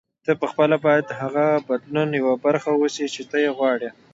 ته پخپله باید د هغه بدلون یوه برخه اوسې چې ته یې غواړې.